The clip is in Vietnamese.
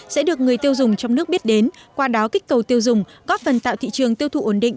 sẽ được người tiêu dùng trong nước biết đến qua đó kích cầu tiêu dùng góp phần tạo thị trường tiêu thụ ổn định